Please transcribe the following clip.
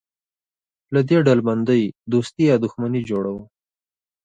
له دې ډلبندۍ دوستي یا دښمني جوړوو.